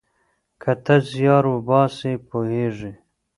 که ته زیار وباسې پوهیږې.